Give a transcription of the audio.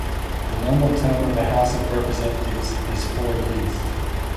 The normal term of the House of Representatives is four years.